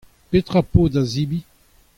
Petra ho po da zebriñ ?